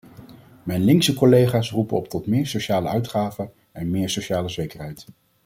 Mijn linkse collega's roepen op tot meer sociale uitgaven en meer sociale zekerheid.